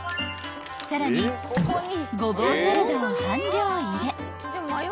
［さらにゴボウサラダを半量入れ